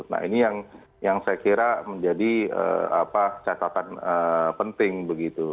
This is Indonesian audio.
nah ini yang saya kira menjadi catatan penting begitu